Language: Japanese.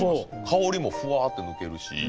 香りもふわって抜けるし。